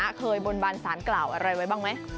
เคยบนบานสารกล่าวอะไรไว้บ้างไหม